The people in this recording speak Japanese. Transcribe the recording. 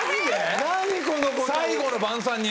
最後の晩餐に？